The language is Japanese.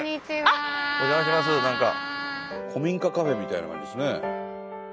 古民家カフェみたいな感じですね。